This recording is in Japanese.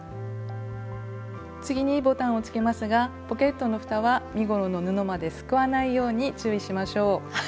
次にボタンをつけますがポケットのふたは身ごろの布まですくわないように注意しましょう。